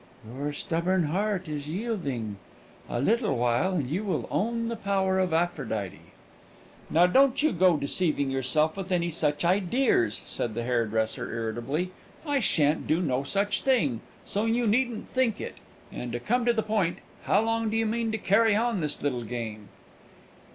Your stubborn heart is yielding; a little while, and you will own the power of Aphrodite!" "Now, don't you go deceiving yourself with any such ideers," said the hairdresser, irritably. "I shan't do no such thing, so you needn't think it. And, to come to the point, how long do you mean to carry on this little game?"